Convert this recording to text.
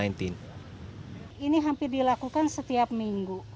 ini hampir dilakukan setiap minggu